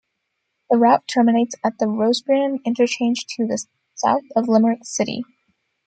The route terminates at the Rosbrien Interchange to the south of Limerick City.